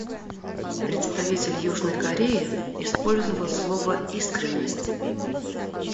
Представитель Южной Кореи использовал слово «искренность».